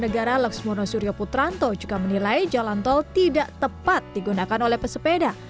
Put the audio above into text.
negara lex monosurioputranto juga menilai jalan tol tidak tepat digunakan oleh pesepeda